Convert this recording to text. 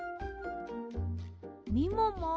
みもも